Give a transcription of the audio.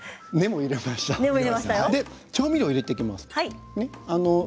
調味料を入れていきます。